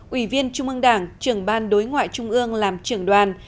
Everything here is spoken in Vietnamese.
ủy viên trung ương đảng trưởng ban đối ngoại trung ương làm trưởng đoàn